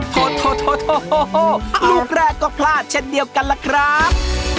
โทษลูกแรกก็พลาดเช่นเดียวกันล่ะครับ